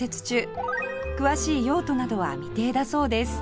詳しい用途などは未定だそうです